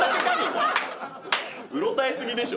うろたえ過ぎでしょ。